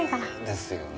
ですよね。